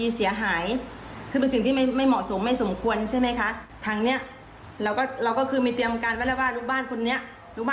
อ่าเสพยาเสพติดนะคะกำลังบัดหลายทั้งแล้วก็เป็นผู้ป่วยจิตเวชแล้ว